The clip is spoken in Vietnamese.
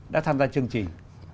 đã tham gia chương trình